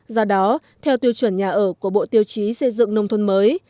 do đó theo tiêu chuẩn nhà ở của bộ tiêu chí xây dựng nông thôn mới